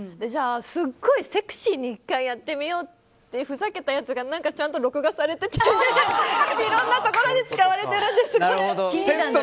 すごいセクシーに１回やってみようってふざけたやつがちゃんと録画されてたのでいろんなところで使われてるんです、これ。